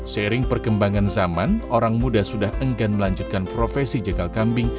seiring perkembangan zaman orang muda sudah enggan melanjutkan profesi jegal kambing